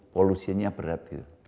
dan polosinya berat